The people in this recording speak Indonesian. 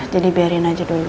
jadi biarin aja dulu